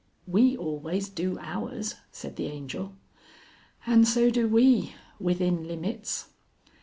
"We always do ours," said the Angel. "And so do we, within limits."